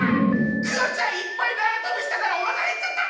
クヨちゃんいっぱいなわとびしたからおなかへっちゃった！